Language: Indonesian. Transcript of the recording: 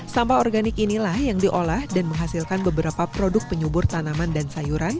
sampah organik inilah yang diolah dan menghasilkan beberapa produk penyubur tanaman dan sayuran